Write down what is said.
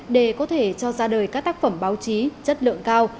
để có thể cho ra đời các tác phẩm báo chí chất lượng cao